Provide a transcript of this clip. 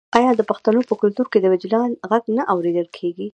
آیا د پښتنو په کلتور کې د وجدان غږ نه اوریدل کیږي؟